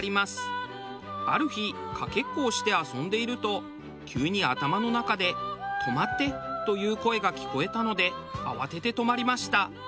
僕はある日かけっこをして遊んでいると急に頭の中で「止まって！」という声が聞こえたので慌てて止まりました。